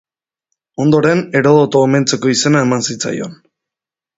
Ondoren Herodoto omentzeko izena eman zitzaion.